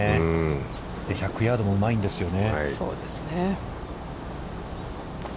１００ヤードもうまいんですよね。